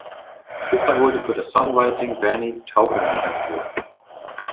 Cooper holte für das Songwriting Bernie Taupin mit ins Boot.